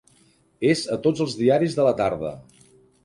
És a tots els diaris de la tarda.